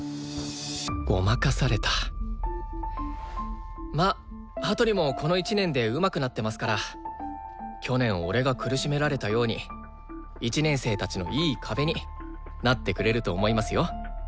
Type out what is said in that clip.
ごまかされたまあ羽鳥もこの１年でうまくなってますから去年俺が苦しめられたように１年生たちのいい壁になってくれると思いますよ。